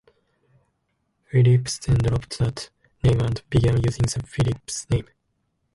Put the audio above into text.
Philips then dropped that name and began using the Philips name.